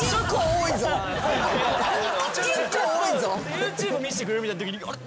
ＹｏｕＴｕｂｅ見してくれるみたいなときにあれ？